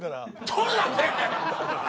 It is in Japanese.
撮るなって！